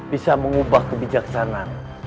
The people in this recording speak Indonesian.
bisa mengubah kebijaksanaan